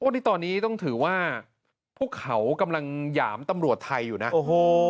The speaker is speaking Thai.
นี่ตอนนี้ต้องถือว่าพวกเขากำลังหยามตำรวจไทยอยู่นะโอ้โห